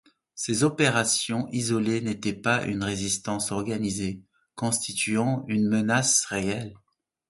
Ces opérations isolées n’étaient pas une résistance organisée constituant une menace réelle.